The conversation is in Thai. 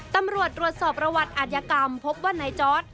ตำรวจรวดสอบระวัติอัธยกรรมพบว่าไหนจ๊อต